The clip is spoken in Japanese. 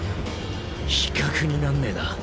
比較になんねぇな。